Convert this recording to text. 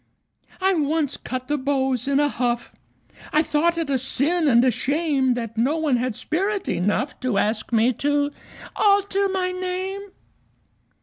I once cut the beaux in a huff I thought it a sin and a shame That no one had spirit enough To ask me to alter my name.